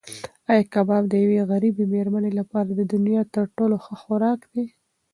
ایا کباب د یوې غریبې مېرمنې لپاره د دنیا تر ټولو ښه خوراک دی؟